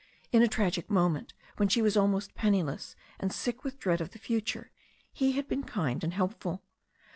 In a tragic moment, when she was almost penniless, and sick with dread of the future, he had been kind and helpful.